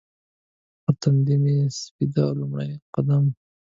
پر تندي مې سپېدو لومړی قدم